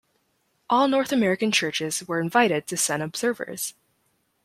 All North American churches were invited to send observers.